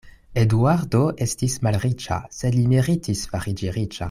Eduardo estis malriĉa; sed li meritis fariĝi riĉa.